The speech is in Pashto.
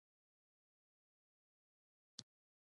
د بد خوبونو لپاره باید څه مه خورم؟